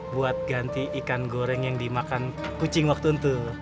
buat ganti ikan goreng yang dimakan kucing waktu itu